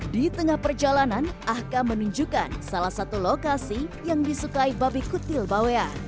di tengah perjalanan ahka menunjukkan salah satu lokasi yang disukai babi kutil bawea